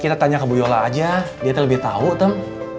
kita tanya ke bu yola aja dia tuh lebih tahu tem